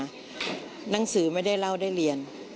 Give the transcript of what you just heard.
หนังสือไม่ได้เล่าได้เรียน